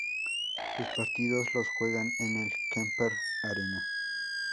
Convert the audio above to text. Sus partidos los juegan en el Kemper Arena.